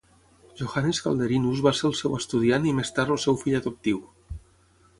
Johannes Calderinus va ser el seu estudiant i més tard el seu fill adoptiu.